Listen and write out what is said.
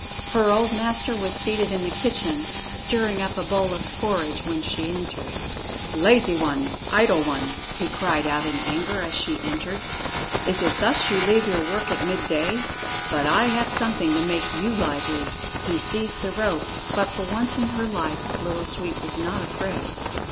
Her old master was seated in the kitchen, stirring up a bowl of porridge, when she entered. "Lazy one! Idle one!" he cried out in anger as she entered. "Is it thus you leave your work at midday? But I have something to make you lively." He seized the rope. But for once in her life Little Sweep was not afraid.